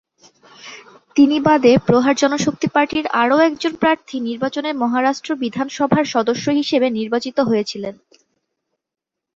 তিনি বাদে প্রহার জনশক্তি পার্টির আরো একজন প্রার্থী নির্বাচনে মহারাষ্ট্র বিধানসভার সদস্য হিসেবে নির্বাচিত হয়েছিলেন।